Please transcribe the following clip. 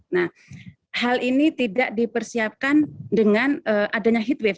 nah hal ini tidak dipersiapkan dengan adanya heat wave